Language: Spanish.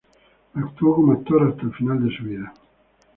Actuó como actor hasta el final de su vida.